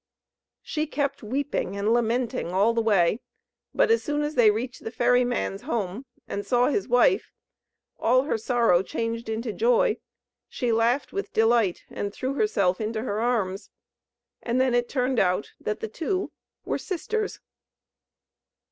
She kept weeping and lamenting all the way; but as soon as they reached the ferry man's home, and saw his wife, all her sorrow changed into joy; she laughed with delight, and threw herself into her arms. And then it turned out that the two were sisters.